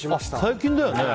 最近だよね